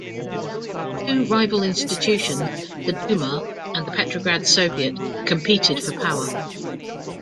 Two rival institutions, the Duma and the Petrograd Soviet, competed for power.